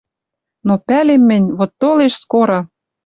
Но пӓлем мӹнь, вот толеш скоро